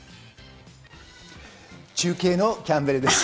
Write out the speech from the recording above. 中継のキャンベルです。